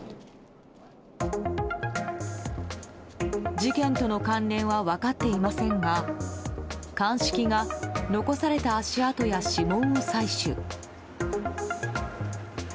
事件との関連は分かっていませんが鑑識が、残された足跡や指紋を採取。